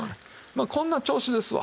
まあこんな調子ですわ。